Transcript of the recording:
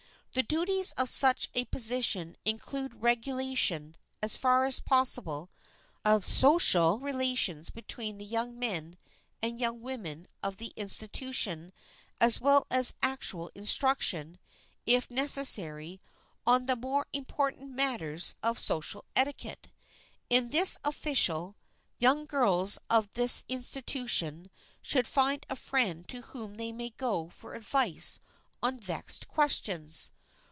The duties of such a position include regulation, as far as possible, of social relations between the young men and young women of the institution as well as actual instruction, if necessary, on the more important matters of social etiquette. In this official, young girls of the institution should find a friend to whom they may go for advice on vexed questions.